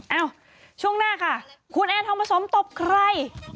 เอ้าช่วงหน้าค่ะคุณแอนทองผสมตบใคร